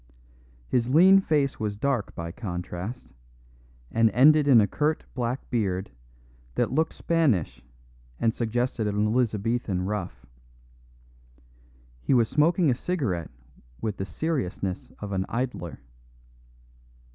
His lean face was dark by contrast, and ended in a curt black beard that looked Spanish and suggested an Elizabethan ruff. He was smoking a cigarette with the seriousness of an idler.